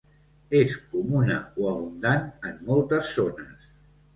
És comuna o abundant en moltes zones.